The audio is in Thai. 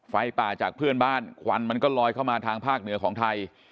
ไฟป่าจากเพื่อนบ้านควันมันก็ลอยเข้ามาทางภาคเหนือของไทย